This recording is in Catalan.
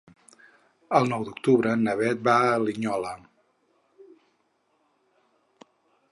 El nou d'octubre na Beth va a Linyola.